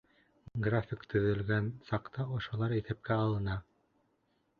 График төҙөгән саҡта ошолар иҫәпкә алына.